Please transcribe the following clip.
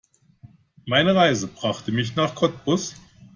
Meine Reise brachte mich nach Cottbus